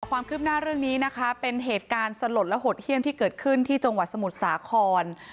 ความคืบหน้าเรื่องนี้นะคะเป็นเหตุการณ์สลดและหดเยี่ยมที่เกิดขึ้นที่จังหวัดสมุทรสาคร